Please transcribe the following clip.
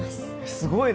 すごいな。